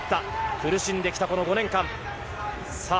苦しんできた、この５年間。